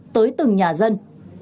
tới từng nhà dân